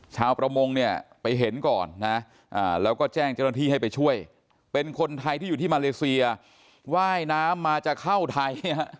ชาวประมงเป็นคนด้านมีความต้องกลัวไปเห็นก่อนก็แจ้งเจ้าหน้าที่ให้จะช่วย